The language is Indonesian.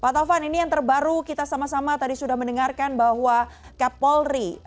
pak taufan ini yang terbaru kita sama sama tadi sudah mendengarkan bahwa kapolri